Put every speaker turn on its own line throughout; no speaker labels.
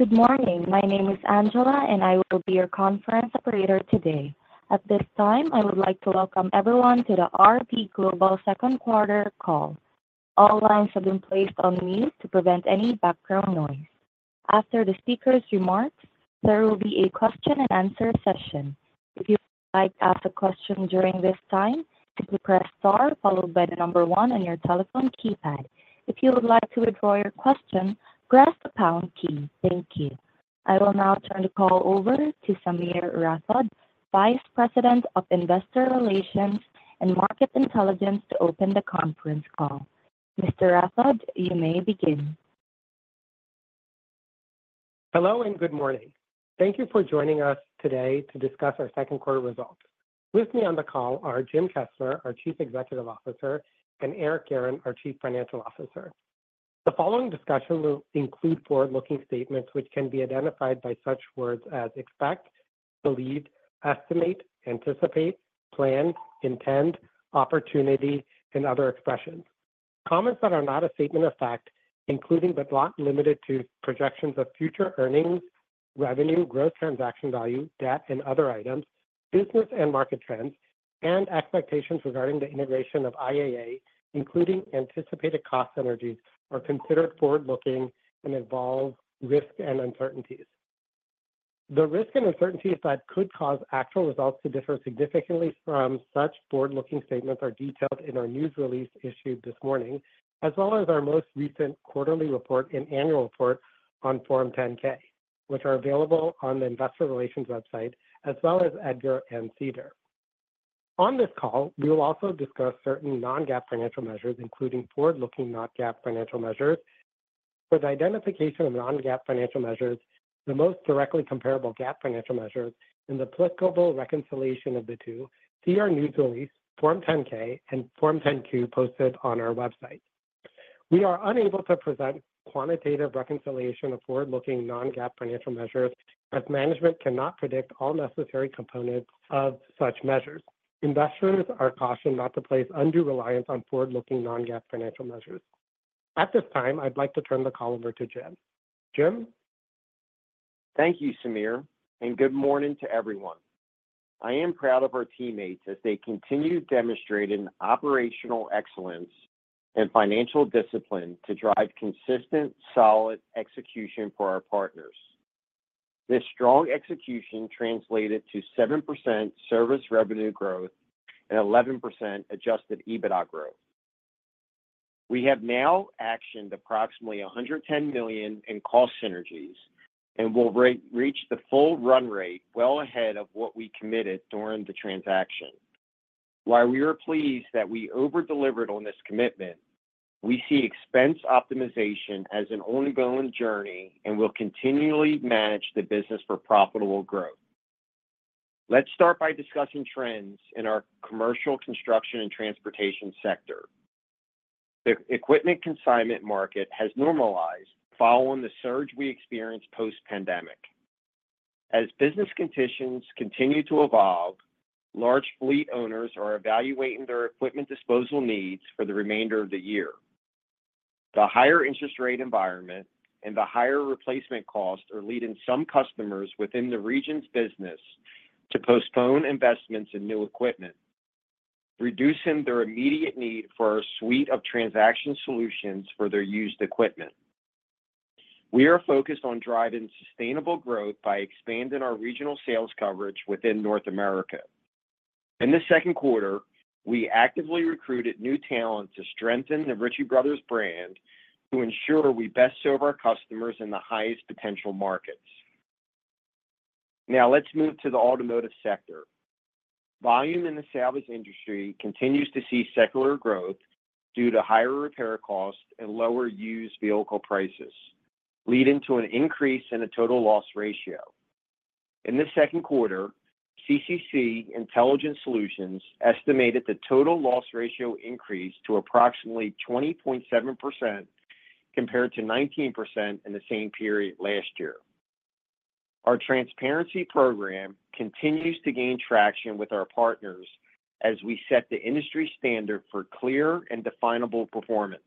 Good morning. My name is Angela, and I will be your conference operator today. At this time, I would like to welcome everyone to the RB Global second quarter call. All lines have been placed on mute to prevent any background noise. After the speaker's remarks, there will be a question and answer session. If you would like to ask a question during this time, simply press star followed by the number one on your telephone keypad. If you would like to withdraw your question, press the Pound key. Thank you. I will now turn the call over to Sameer Rathod, Vice President of Investor Relations and Market Intelligence, to open the conference call. Mr. Rathod, you may begin.
Hello, and good morning. Thank you for joining us today to discuss our second quarter results. With me on the call are Jim Kessler, our Chief Executive Officer, and Eric Guerin, our Chief Financial Officer. The following discussion will include forward-looking statements, which can be identified by such words as expect, believe, estimate, anticipate, plan, intend, opportunity, and other expressions. Comments that are not a statement of fact, including but not limited to, projections of future earnings, revenue, growth, transaction value, debt, and other items, business and market trends and expectations regarding the integration of IAA, including anticipated cost synergies, are considered forward-looking and involve risks and uncertainties. The risks and uncertainties that could cause actual results to differ significantly from such forward-looking statements are detailed in our news release issued this morning, as well as our most recent quarterly report and annual report on Form 10-K, which are available on the Investor Relations website, as well as EDGAR and SEDAR. On this call, we will also discuss certain non-GAAP financial measures, including forward-looking non-GAAP financial measures. For the identification of non-GAAP financial measures, the most directly comparable GAAP financial measures, and the applicable reconciliation of the two, see our news release, Form 10-K and Form 10-Q, posted on our website. We are unable to present quantitative reconciliation of forward-looking non-GAAP financial measures, as management cannot predict all necessary components of such measures. Investors are cautioned not to place undue reliance on forward-looking non-GAAP financial measures. At this time, I'd like to turn the call over to Jim. Jim?
Thank you, Sameer, and good morning to everyone. I am proud of our teammates as they continue demonstrating operational excellence and financial discipline to drive consistent, solid execution for our partners. This strong execution translated to 7% service revenue growth and 11% adjusted EBITDA growth. We have now actioned approximately $110 million in cost synergies and will re-reach the full run rate well ahead of what we committed during the transaction. While we are pleased that we over-delivered on this commitment, we see expense optimization as an ongoing journey and will continually manage the business for profitable growth. Let's start by discussing trends in our commercial, construction and transportation sector. The equipment consignment market has normalized following the surge we experienced post-pandemic. As business conditions continue to evolve, large fleet owners are evaluating their equipment disposal needs for the remainder of the year. The higher interest rate environment and the higher replacement costs are leading some customers within the region's business to postpone investments in new equipment, reducing their immediate need for our suite of transaction solutions for their used equipment. We are focused on driving sustainable growth by expanding our regional sales coverage within North America. In the second quarter, we actively recruited new talent to strengthen the Ritchie Bros. brand to ensure we best serve our customers in the highest potential markets. Now, let's move to the automotive sector. Volume in the salvage industry continues to see secular growth due to higher repair costs and lower used vehicle prices, leading to an increase in the total loss ratio. In the second quarter, CCC Intelligent Solutions estimated the total loss ratio increase to approximately 20.7%, compared to 19% in the same period last year. Our transparency program continues to gain traction with our partners as we set the industry standard for clear and definable performance.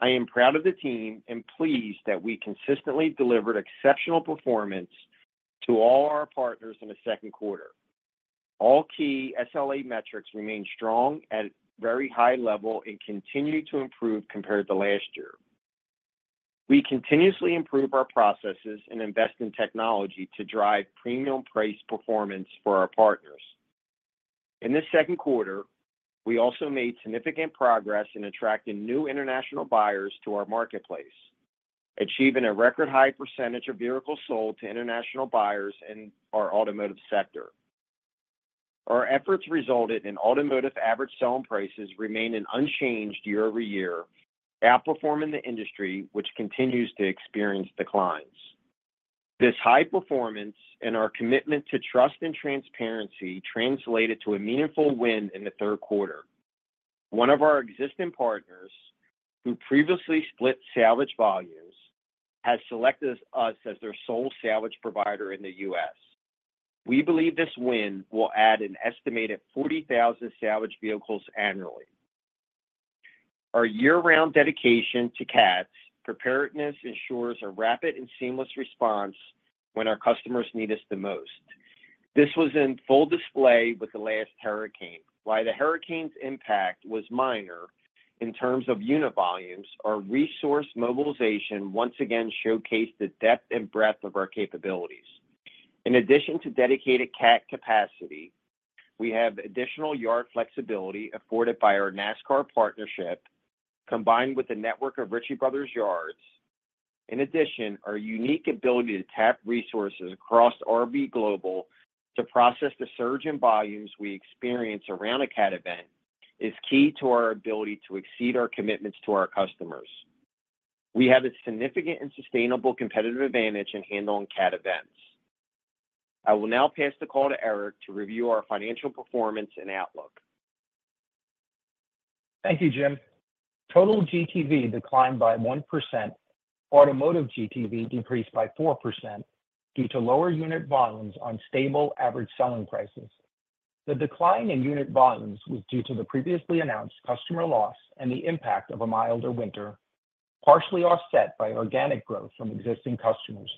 I am proud of the team and pleased that we consistently delivered exceptional performance to all our partners in the second quarter. All key SLA metrics remain strong at a very high level and continue to improve compared to last year. We continuously improve our processes and invest in technology to drive premium price performance for our partners. In this second quarter, we also made significant progress in attracting new international buyers to our marketplace, achieving a record high percentage of vehicles sold to international buyers in our automotive sector. Our efforts resulted in automotive average selling prices remaining unchanged year-over-year, outperforming the industry, which continues to experience declines. This high performance and our commitment to trust and transparency translated to a meaningful win in the third quarter. One of our existing partners, who previously split salvage volumes, has selected us, us as their sole salvage provider in the U.S. We believe this win will add an estimated 40,000 salvaged vehicles annually. Our year-round dedication to CATs preparedness ensures a rapid and seamless response when our customers need us the most. This was in full display with the last hurricane. While the hurricane's impact was minor in terms of unit volumes, our resource mobilization once again showcased the depth and breadth of our capabilities. In addition to dedicated CAT capacity, we have additional yard flexibility afforded by our NASCAR partnership, combined with the network of Ritchie Bros. yards. In addition, our unique ability to tap resources across RB Global to process the surge in volumes we experience around a CAT event, is key to our ability to exceed our commitments to our customers. We have a significant and sustainable competitive advantage in handling CAT events. I will now pass the call to Eric to review our financial performance and outlook.
Thank you, Jim. Total GTV declined by 1%. Automotive GTV decreased by 4% due to lower unit volumes on stable average selling prices. The decline in unit volumes was due to the previously announced customer loss and the impact of a milder winter, partially offset by organic growth from existing customers.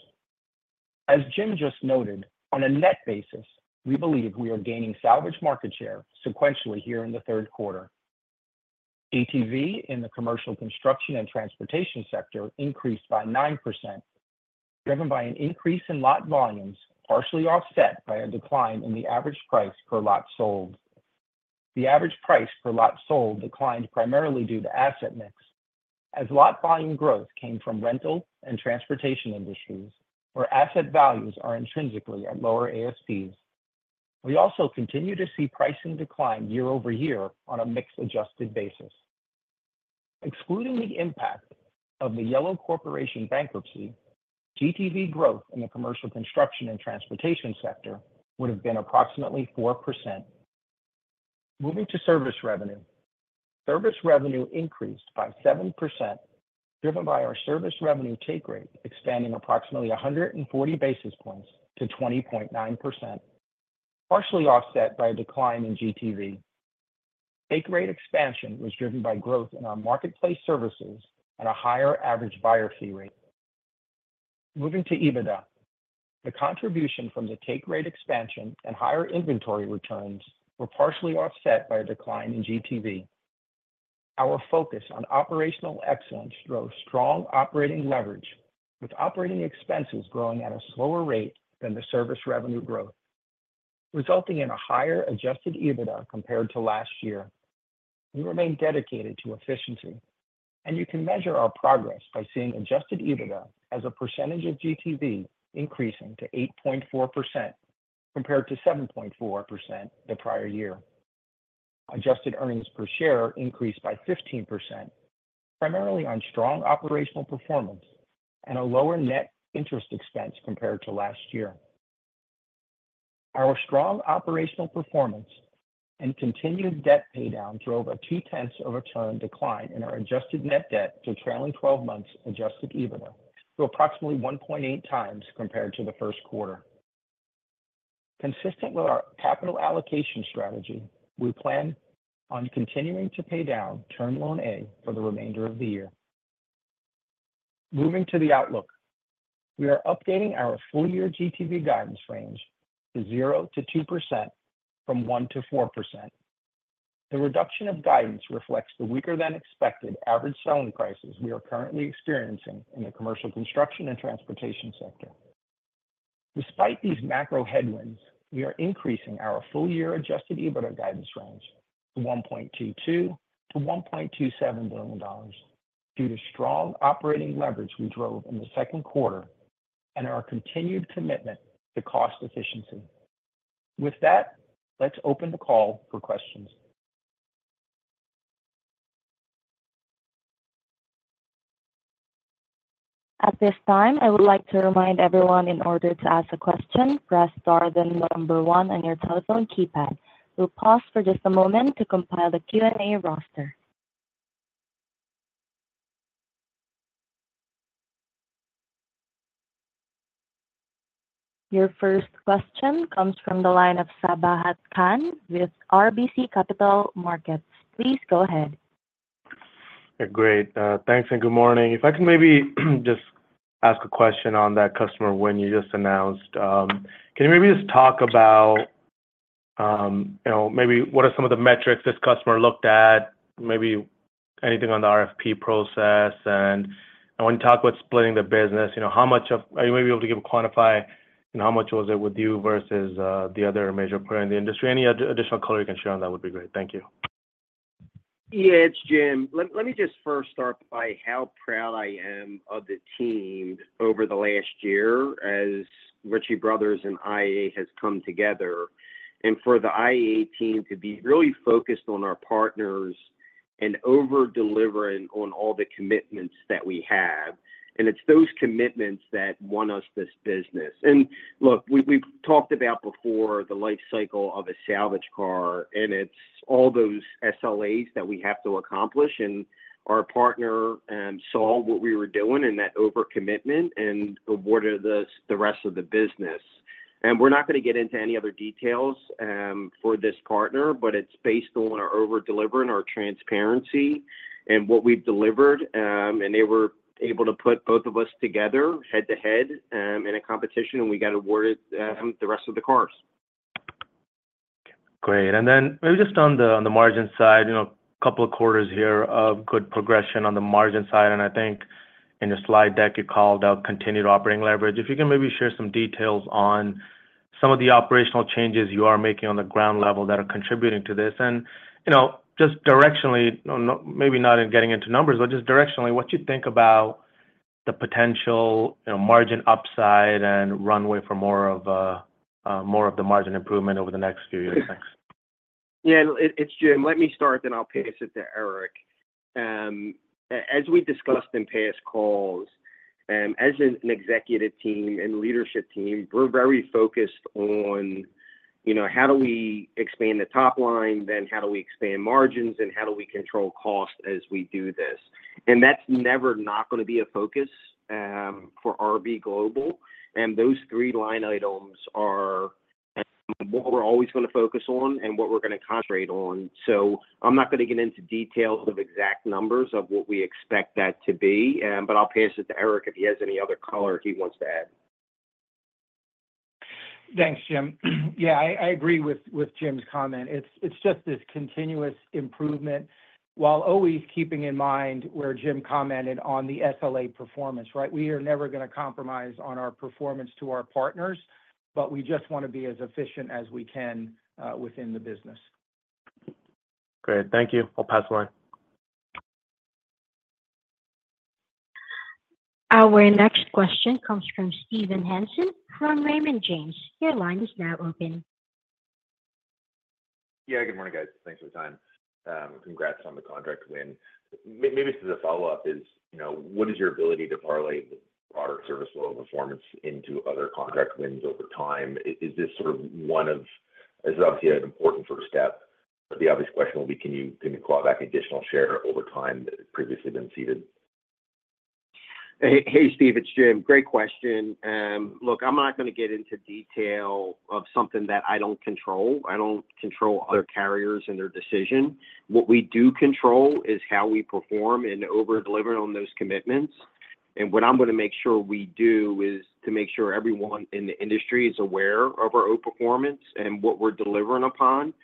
As Jim just noted, on a net basis, we believe we are gaining salvage market share sequentially here in the third quarter. ATV in the commercial, construction, and transportation sector increased by 9%, driven by an increase in lot volumes, partially offset by a decline in the average price per lot sold. The average price per lot sold declined primarily due to asset mix, as lot volume growth came from rental and transportation industries, where asset values are intrinsically at lower ASPs. We also continue to see pricing decline year over year on a mix-adjusted basis. Excluding the impact of the Yellow Corporation bankruptcy, GTV growth in the commercial, construction, and transportation sector would have been approximately 4%. Moving to service revenue. Service revenue increased by 7%, driven by our service revenue take rate, expanding approximately 140 basis points to 20.9%, partially offset by a decline in GTV. Take rate expansion was driven by growth in our marketplace services at a higher average buyer fee rate. Moving to EBITDA. The contribution from the take rate expansion and higher inventory returns were partially offset by a decline in GTV. Our focus on operational excellence drove strong operating leverage, with operating expenses growing at a slower rate than the service revenue growth, resulting in a higher adjusted EBITDA compared to last year. We remain dedicated to efficiency, and you can measure our progress by seeing adjusted EBITDA as a percentage of GTV increasing to 8.4%, compared to 7.4% the prior year. Adjusted earnings per share increased by 15%, primarily on strong operational performance and a lower net interest expense compared to last year. Our strong operational performance and continued debt paydown drove a two-tenths of a turn decline in our adjusted net debt to trailing twelve months adjusted EBITDA to approximately 1.8x compared to the first quarter. Consistent with our capital allocation strategy, we plan on continuing to pay down Term Loan A for the remainder of the year. Moving to the outlook. We are updating our full-year GTV guidance range to 0%-2% from 1%-4%. The reduction of guidance reflects the weaker-than-expected average selling prices we are currently experiencing in the commercial, construction, and transportation sector. Despite these macro headwinds, we are increasing our full-year adjusted EBITDA guidance range to $1.22 billion-$1.27 billion, due to strong operating leverage we drove in the second quarter and our continued commitment to cost efficiency. With that, let's open the call for questions.
At this time, I would like to remind everyone in order to ask a question, press star, then the number one on your telephone keypad. We'll pause for just a moment to compile the Q&A roster. Your first question comes from the line of Sabahat Khan with RBC Capital Markets. Please go ahead.
Great. Thanks, and good morning. If I can maybe just ask a question on that customer win you just announced. Can you maybe just talk about, you know, maybe what are some of the metrics this customer looked at? Maybe anything on the RFP process, and I want to talk about splitting the business. You know, how much of it are you maybe able to quantify how much it was with you versus the other major player in the industry? Any additional color you can share on that would be great. Thank you.
Yeah, it's Jim. Let me just first start by how proud I am of the team over the last year, as Ritchie Bros. and IAA has come together, and for the IAA team to be really focused on our partners and over-delivering on all the commitments that we have. It's those commitments that won us this business. Look, we've talked about before the life cycle of a salvage car, and it's all those SLAs that we have to accomplish. Our partner saw what we were doing and that overcommitment and awarded us the rest of the business. We're not gonna get into any other details for this partner, but it's based on our over-delivering, our transparency, and what we've delivered. And they were able to put both of us together head-to-head, in a competition, and we got awarded the rest of the cars.
Great. And then maybe just on the margin side, you know, couple of quarters here of good progression on the margin side, and I think in the slide deck, you called out continued operating leverage. If you can maybe share some details on some of the operational changes you are making on the ground level that are contributing to this. And, you know, just directionally, or not—maybe not in getting into numbers, but just directionally, what you think about the potential, you know, margin upside and runway for more of, more of the margin improvement over the next few years? Thanks.
Yeah, it's Jim. Let me start, then I'll pass it to Eric. As we discussed in past calls, as an executive team and leadership team, we're very focused on, you know, how do we expand the top line, then how do we expand margins, and how do we control cost as we do this? And that's never not gonna be a focus for RB Global, and those three line items are what we're always gonna focus on and what we're gonna concentrate on. So I'm not gonna get into details of exact numbers of what we expect that to be, but I'll pass it to Eric if he has any other color he wants to add.
Thanks, Jim. Yeah, I agree with Jim's comment. It's just this continuous improvement, while always keeping in mind where Jim commented on the SLA performance, right? We are never gonna compromise on our performance to our partners, but we just want to be as efficient as we can within the business.
Great. Thank you. I'll pass the line.
Our next question comes from Steven Hansen from Raymond James. Your line is now open.
Yeah, good morning, guys. Thanks for the time. Congrats on the contract win. Maybe just as a follow-up is, you know, what is your ability to parlay the product service level performance into other contract wins over time? Is this sort of one of... This is obviously an important first step, but the obvious question will be, can you claw back additional share over time that had previously been ceded?
Hey, hey, Steve, it's Jim. Great question. Look, I'm not gonna get into detail of something that I don't control. I don't control other carriers and their decision. What we do control is how we perform and over-delivering on those commitments. And what I'm gonna make sure we do is to make sure everyone in the industry is aware of our overperformance and what we're delivering upon.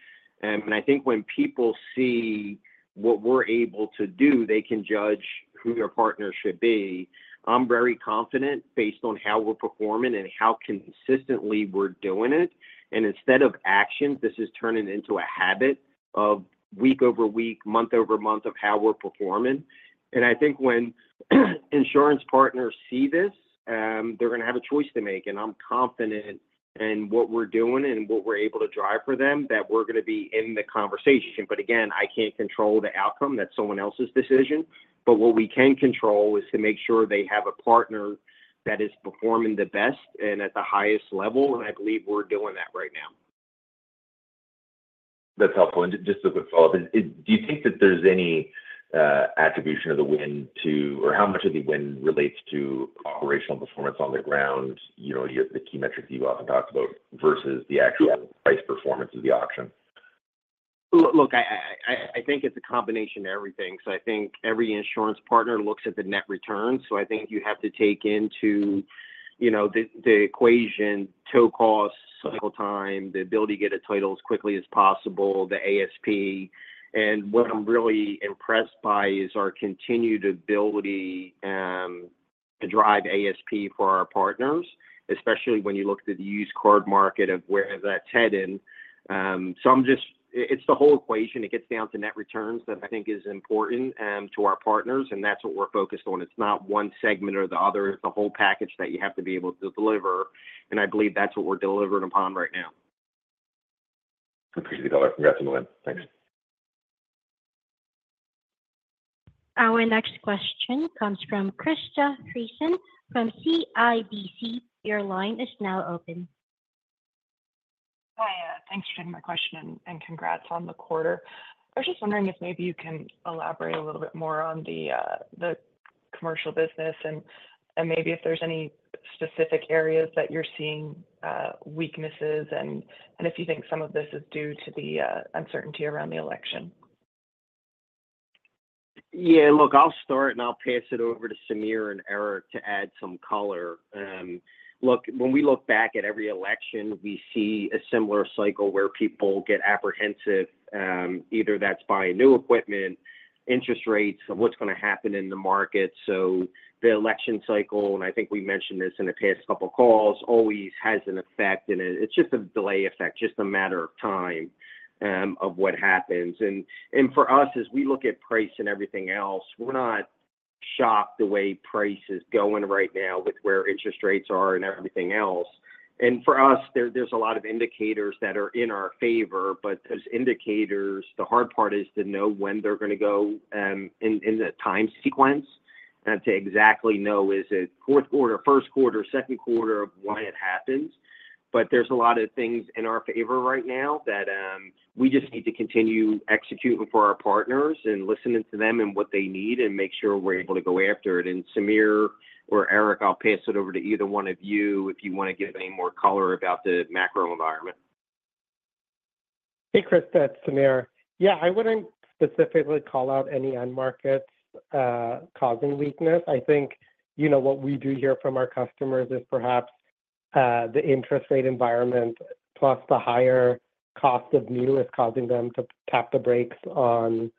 And I think when people see what we're able to do, they can judge who their partner should be. I'm very confident based on how we're performing and how consistently we're doing it. And instead of actions, this is turning into a habit of week-over-week, month-over-month, of how we're performing. I think when insurance partners see this, they're gonna have a choice to make, and I'm confident in what we're doing and what we're able to drive for them, that we're gonna be in the conversation. But again, I can't control the outcome. That's someone else's decision. But what we can control is to make sure they have a partner that is performing the best and at the highest level, and I believe we're doing that right now.
That's helpful. And just a quick follow-up, do you think that there's any attribution of the win to, or how much of the win relates to operational performance on the ground, you know, the key metrics you often talked about, versus the actual price performance of the auction?
Look, I think it's a combination of everything. So I think every insurance partner looks at the net return. So I think you have to take into you know the equation, tow costs, cycle time, the ability to get a title as quickly as possible, the ASP. And what I'm really impressed by is our continued ability to drive ASP for our partners, especially when you look at the used car market of where that's heading. So it's the whole equation. It gets down to net returns that I think is important to our partners, and that's what we're focused on. It's not one segment or the other. It's the whole package that you have to be able to deliver, and I believe that's what we're delivering upon right now.
Appreciate the color. Congrats on the win. Thanks.
Our next question comes from Krista Friesen from CIBC. Your line is now open.
Hi, thanks for taking my question, and congrats on the quarter. I was just wondering if maybe you can elaborate a little bit more on the commercial business, and maybe if there's any specific areas that you're seeing weaknesses, and if you think some of this is due to the uncertainty around the election?
Yeah, look, I'll start, and I'll pass it over to Sameer and Eric to add some color. Look, when we look back at every election, we see a similar cycle where people get apprehensive, either that's buying new equipment, interest rates, and what's gonna happen in the market. So the election cycle, and I think we mentioned this in the past couple of calls, always has an effect, and it's just a delay effect, just a matter of time, of what happens. And for us, as we look at price and everything else, we're not shocked the way price is going right now with where interest rates are and everything else. For us, there's a lot of indicators that are in our favor, but those indicators, the hard part is to know when they're gonna go in the time sequence to exactly know, is it fourth quarter, first quarter, second quarter of when it happens. But there's a lot of things in our favor right now that we just need to continue executing for our partners and listening to them and what they need and make sure we're able to go after it. Sameer or Eric, I'll pass it over to either one of you if you want to give any more color about the macro environment....
Hey, Krista, it's Sameer. Yeah, I wouldn't specifically call out any end markets causing weakness. I think, you know, what we do hear from our customers is perhaps the interest rate environment, plus the higher cost of new, is causing them to tap the brakes on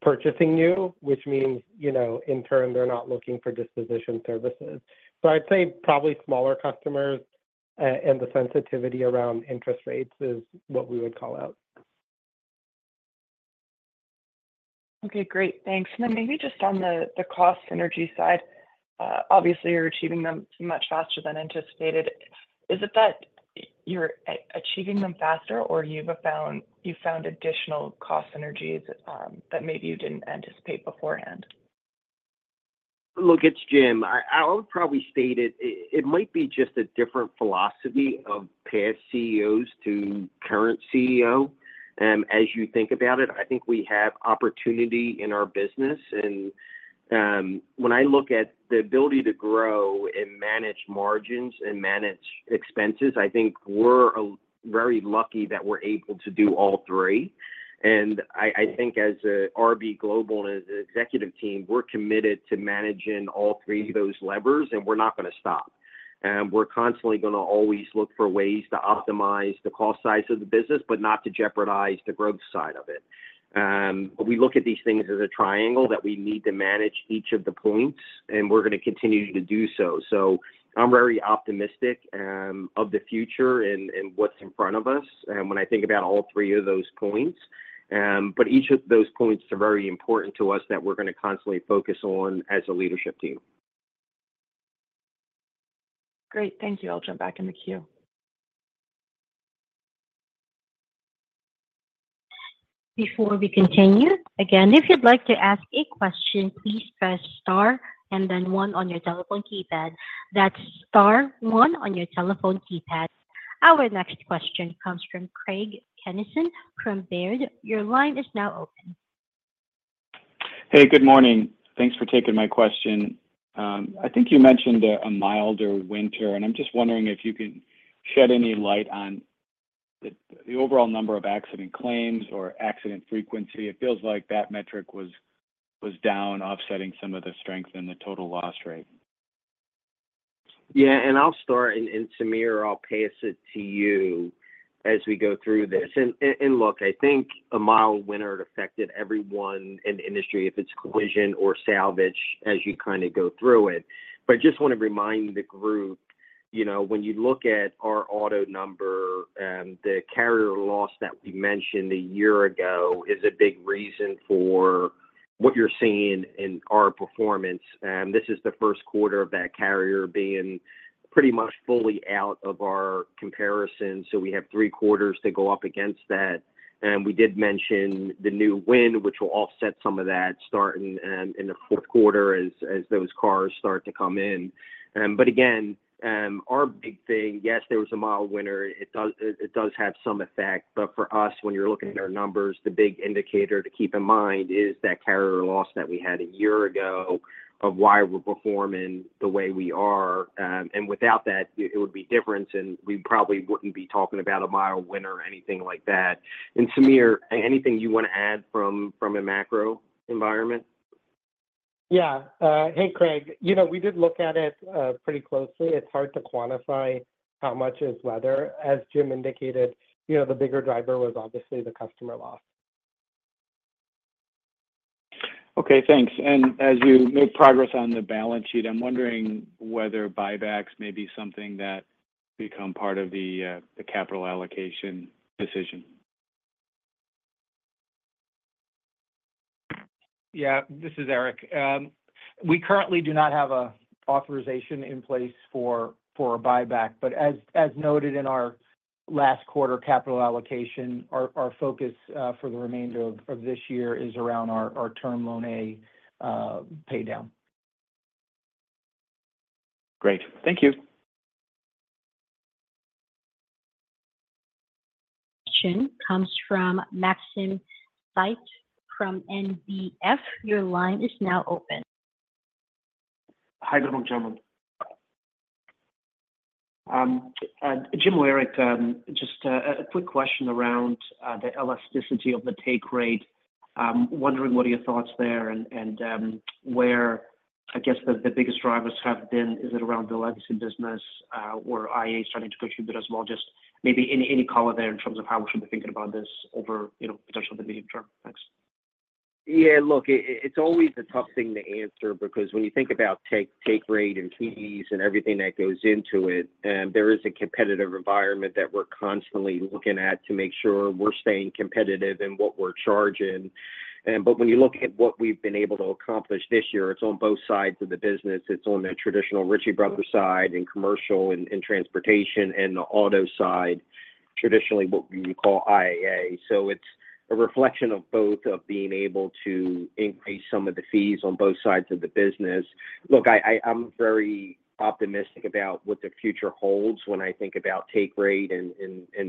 purchasing new, which means, you know, in turn, they're not looking for disposition services. So I'd say probably smaller customers, and the sensitivity around interest rates is what we would call out.
Okay, great. Thanks. And then maybe just on the cost synergy side, obviously, you're achieving them much faster than anticipated. Is it that you're achieving them faster, or you've found, you've found additional cost synergies, that maybe you didn't anticipate beforehand?
Look, it's Jim. I would probably state it. It might be just a different philosophy of past CEOs to current CEO. As you think about it, I think we have opportunity in our business. When I look at the ability to grow and manage margins and manage expenses, I think we're very lucky that we're able to do all three. I think as RB Global and as an executive team, we're committed to managing all three of those levers, and we're not going to stop. We're constantly going to always look for ways to optimize the cost side of the business but not to jeopardize the growth side of it. We look at these things as a triangle that we need to manage each of the points, and we're going to continue to do so. So I'm very optimistic, of the future and what's in front of us, when I think about all three of those points. But each of those points are very important to us that we're going to constantly focus on as a leadership team.
Great, thank you. I'll jump back in the queue.
Before we continue, again, if you'd like to ask a question, please press star and then one on your telephone keypad. That's star one on your telephone keypad. Our next question comes from Craig Kennison from Baird. Your line is now open.
Hey, good morning. Thanks for taking my question. I think you mentioned a milder winter, and I'm just wondering if you could shed any light on the overall number of accident claims or accident frequency. It feels like that metric was down, offsetting some of the strength in the total loss rate.
Yeah, and I'll start, and Sameer, I'll pass it to you as we go through this. And look, I think a mild winter, it affected everyone in the industry, if it's collision or salvage, as you kind of go through it. But I just want to remind the group, you know, when you look at our auto number, the carrier loss that we mentioned a year ago is a big reason for what you're seeing in our performance, this is the first quarter of that carrier being pretty much fully out of our comparison. So we have three quarters to go up against that. And we did mention the new win, which will offset some of that, starting in the fourth quarter as those cars start to come in. But again, our big thing, yes, there was a mild winter. It does have some effect. But for us, when you're looking at our numbers, the big indicator to keep in mind is that carrier loss that we had a year ago of why we're performing the way we are. And without that, it would be different, and we probably wouldn't be talking about a mild winter or anything like that. And, Sameer, anything you want to add from a macro environment?
Yeah. Hey, Craig. You know, we did look at it pretty closely. It's hard to quantify how much is weather. As Jim indicated, you know, the bigger driver was obviously the customer loss.
Okay, thanks. As you make progress on the balance sheet, I'm wondering whether buybacks may be something that become part of the capital allocation decision.
Yeah, this is Eric. We currently do not have a authorization in place for a buyback. But as noted in our last quarter capital allocation, our focus for the remainder of this year is around our Term Loan A paydown.
Great. Thank you....
Question comes from Maxim Sytchev from NBF. Your line is now open.
Hi, good morning, gentlemen. Jim or Eric, just a quick question around the elasticity of the take rate. Wondering what are your thoughts there and where, I guess, the biggest drivers have been. Is it around the legacy business or IA starting to contribute as well? Just maybe any color there in terms of how we should be thinking about this over, you know, potential in the medium term. Thanks.
Yeah, look, it's always a tough thing to answer because when you think about take rate and fees and everything that goes into it, there is a competitive environment that we're constantly looking at to make sure we're staying competitive in what we're charging. But when you look at what we've been able to accomplish this year, it's on both sides of the business. It's on the traditional Ritchie Bros. side, in commercial, in transportation, and the auto side, traditionally what we call IAA. So it's a reflection of both of being able to increase some of the fees on both sides of the business. Look, I'm very optimistic about what the future holds when I think about take rate and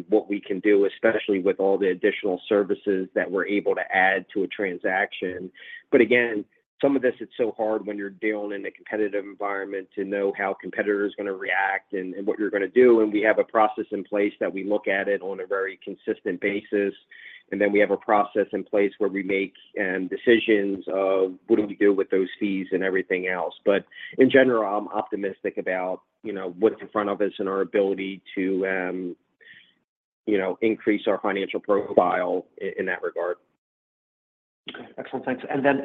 what we can do, especially with all the additional services that we're able to add to a transaction. But again, some of this, it's so hard when you're dealing in a competitive environment to know how competitors are going to react and, and what you're gonna do, and we have a process in place that we look at it on a very consistent basis. And then we have a process in place where we make decisions of what do we do with those fees and everything else. But in general, I'm optimistic about, you know, what's in front of us and our ability to, you know, increase our financial profile in that regard.
Okay, excellent. Thanks. And then,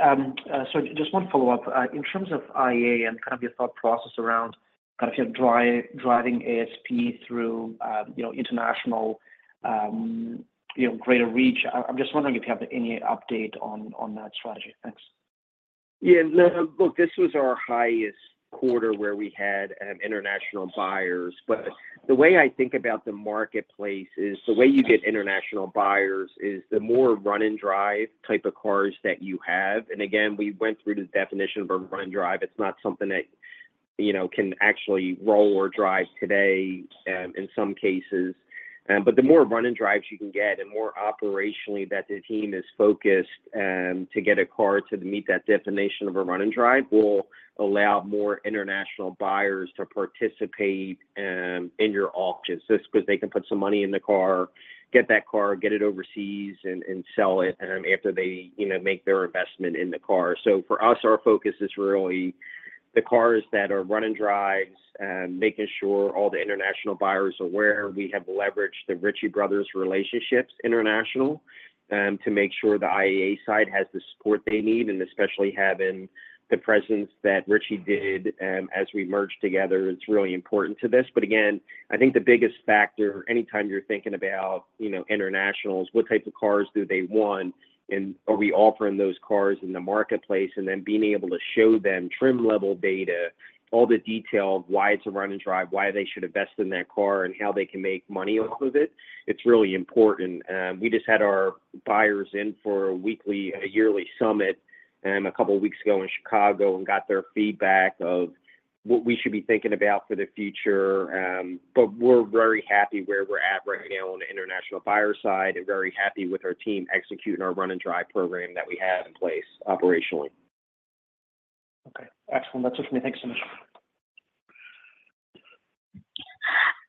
so just one follow-up. In terms of IAA and kind of your thought process around kind of driving ASP through, you know, international, you know, greater reach, I'm just wondering if you have any update on that strategy. Thanks.
Yeah, no, look, this was our highest quarter where we had international buyers. But the way I think about the marketplace is, the way you get international buyers is the more Run and Drive type of cars that you have. And again, we went through the definition of a Run and Drive. It's not something that, you know, can actually roll or drive today, in some cases. But the more Run and Drives you can get, and more operationally that the team is focused to get a car to meet that definition of a Run and Drive, will allow more international buyers to participate in your auctions. Just 'cause they can put some money in the car, get that car, get it overseas, and, and sell it after they, you know, make their investment in the car. So for us, our focus is really the cars that are Run and Drives, making sure all the international buyers are aware. We have leveraged the Ritchie Bros. relationships international, to make sure the IAA side has the support they need, and especially having the presence that Ritchie did, as we merged together, it's really important to this. But again, I think the biggest factor, anytime you're thinking about, you know, internationals, what type of cars do they want, and are we offering those cars in the marketplace? And then being able to show them trim level data, all the detail of why it's a Run and Drive, why they should invest in that car, and how they can make money off of it, it's really important. We just had our buyers in for a weekly... A yearly summit, a couple of weeks ago in Chicago and got their feedback of what we should be thinking about for the future. But we're very happy where we're at right now on the international buyer side, and very happy with our team executing our Run and Drive program that we have in place operationally.
Okay, excellent. That's it for me. Thanks so much.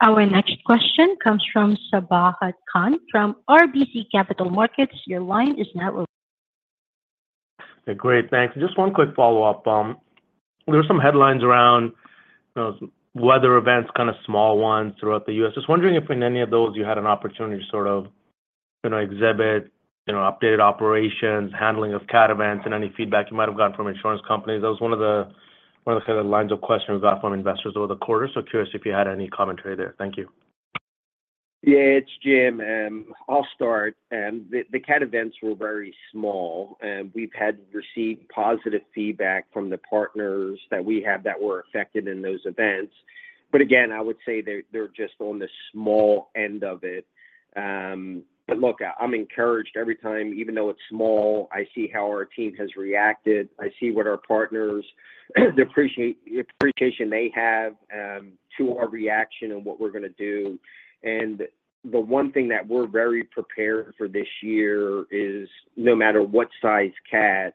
Our next question comes from Sabahat Khan from RBC Capital Markets. Your line is now open.
Great, thanks. Just one quick follow-up. There were some headlines around, you know, weather events, kind of small ones throughout the U.S. Just wondering if in any of those, you had an opportunity to sort of, you know, exhibit, you know, updated operations, handling of CAT events, and any feedback you might have gotten from insurance companies. That was one of the, one of the kind of lines of questioning we got from investors over the quarter, so curious if you had any commentary there. Thank you.
Yeah, it's Jim. I'll start. The CAT events were very small. We've had received positive feedback from the partners that we have that were affected in those events. But again, I would say they're just on the small end of it. But look, I'm encouraged every time, even though it's small, I see how our team has reacted. I see what our partners appreciate, the appreciation they have to our reaction and what we're gonna do. And the one thing that we're very prepared for this year is, no matter what size CAT,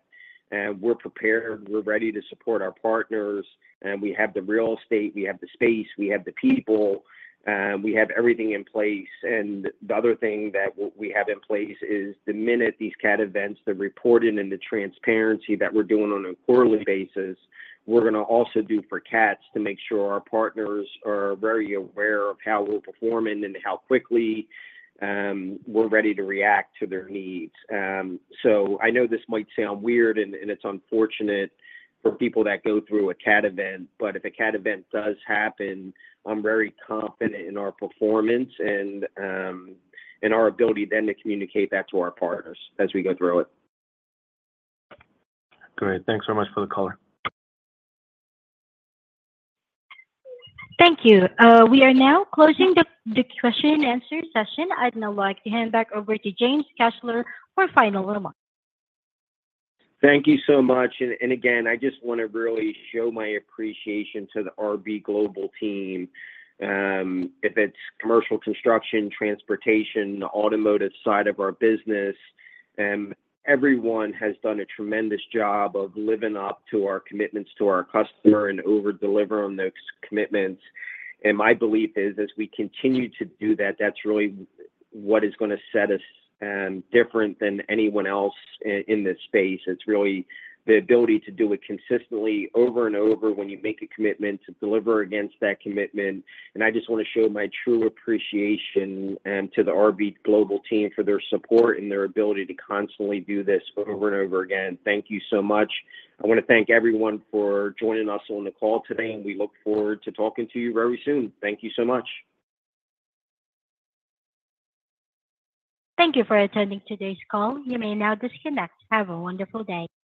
we're prepared, we're ready to support our partners, and we have the real estate, we have the space, we have the people, we have everything in place. And the other thing that we have in place is the minute these CAT events, the reporting and the transparency that we're doing on a quarterly basis, we're gonna also do for CATs to make sure our partners are very aware of how we're performing and how quickly we're ready to react to their needs. So I know this might sound weird, and it's unfortunate for people that go through a CAT event, but if a CAT event does happen, I'm very confident in our performance and our ability then to communicate that to our partners as we go through it.
Great. Thanks so much for the call.
Thank you. We are now closing the question and answer session. I'd now like to hand back over to James Kessler for final remarks.
Thank you so much. And again, I just want to really show my appreciation to the RB Global team. If it's commercial construction, transportation, the automotive side of our business, everyone has done a tremendous job of living up to our commitments to our customer and over-delivering on those commitments. And my belief is, as we continue to do that, that's really what is gonna set us different than anyone else in this space. It's really the ability to do it consistently over and over when you make a commitment, to deliver against that commitment. And I just want to show my true appreciation to the RB Global team for their support and their ability to constantly do this over and over again. Thank you so much. I want to thank everyone for joining us on the call today, and we look forward to talking to you very soon. Thank you so much.
Thank you for attending today's call. You may now disconnect. Have a wonderful day.